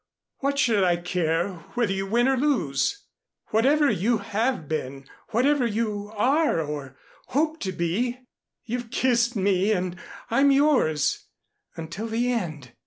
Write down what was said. What should I care whether you win or lose? Whatever you have been, whatever you are or hope to be, you've kissed me and I'm yours until the end.